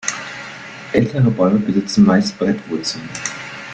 Ältere Bäume besitzen meist Brettwurzeln.